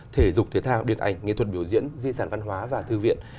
thể dục thể thao điện ảnh nghệ thuật biểu diễn di sản văn hóa và thư viện